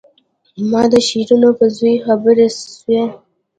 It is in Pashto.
ها د شيرينو په زوى خبره سوې.